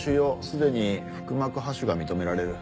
すでに腹膜播種が認められる。